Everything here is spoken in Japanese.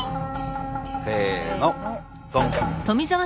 せのドン。